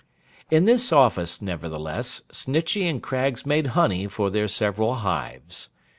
In this office, nevertheless, Snitchey and Craggs made honey for their several hives.